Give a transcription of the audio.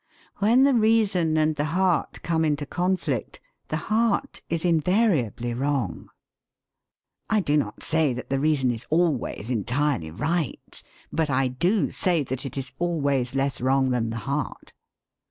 When the reason and the heart come into conflict the heart is invariably wrong. I do not say that the reason is always entirely right, but I do say that it is always less wrong than the heart.